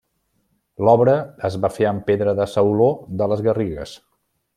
L'obra es va fer amb pedra de sauló de les Garrigues.